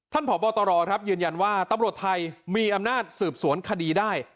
ท่านผอบอตรยืนยันว่าตำรวจไทยมีอำนาจสืบสวนคดีได้